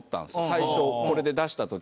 最初これで出した時に。